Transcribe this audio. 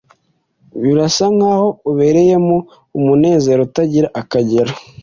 Birasa nkaho ubereyemo umunezero utagira akagero